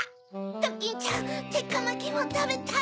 ドキンちゃんてっかまきもたべたい！